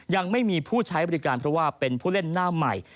ยังไม่มีผู้ใช้บริการเพราะว่าเป็นผู้เล่นหน้าใหม่